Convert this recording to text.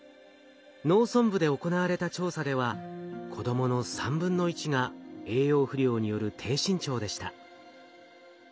農村部で行われた調査では子どもの1/3が栄養不良による低身長でした。